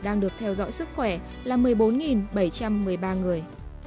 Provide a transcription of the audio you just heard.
đang được theo dõi sức khỏe là một mươi bốn bảy trăm một mươi ba người